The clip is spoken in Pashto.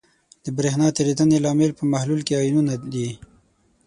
د برېښنا تیریدنې لامل په محلول کې آیونونه دي.